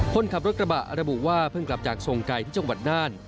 คนขับรถกระบะระบุว่าเพิ่งกลับจากทรงไก่ที่จังหวัดน่าน